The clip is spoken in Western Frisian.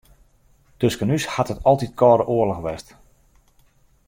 Tusken ús hat it altyd kâlde oarloch west.